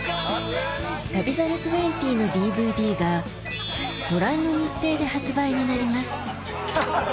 『旅猿２０』のＤＶＤがご覧の日程で発売になります